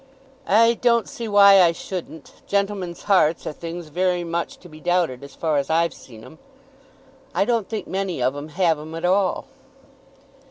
"I don't see why I shouldn't. Gentlemen's hearts are things very much to be doubted as far as I've seen 'em. I don't think many of 'em have 'em at all."